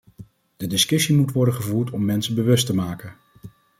De discussie moet worden gevoerd om mensen bewust te maken.